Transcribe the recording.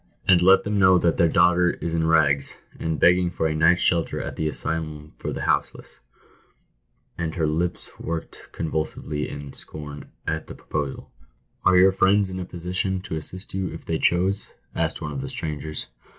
" And let them know that their daughter is in rags, and beg ging for a night's shelter at the asylum for the houseless I" And her lips worked convulsively in scorn at the proposal. "Are your friends in a position to assist you if they chose?" asked" one of the strangers.